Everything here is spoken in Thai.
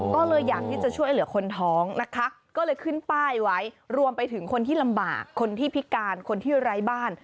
ก็เลยอยากที่จะช่วยเหลือคนท้องนะคะก็เลยขึ้นป้ายไว้รวมไปถึงคนที่ลำบากคนที่พิการคนที่ไร้บ้าน